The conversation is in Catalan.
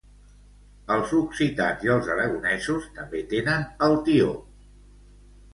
Els occitans i els aragonesos també tenen el tió.